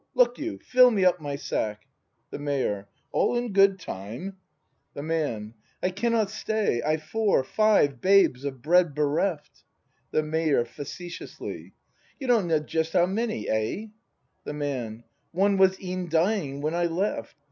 look you, fill me up my sack! The Mayor. All in good time. 55 56 BRAND [act n The Man. I cannot stay; — I've four — five — babes of bread bereft! The Mayor. [Facetiously.] You don't know just how many, eh ? The Man. One was e'en dying when I left.